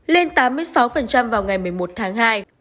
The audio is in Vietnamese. lên tám mươi sáu vào ngày một mươi một tháng hai